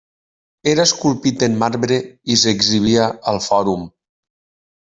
Era esculpit en marbre i s'exhibia al fòrum.